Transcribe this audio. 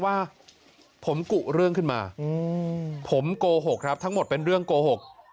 ว่าผมกุเรื่องขึ้นมาผมโกหกครับทั้งหมดเป็นเรื่องโกหก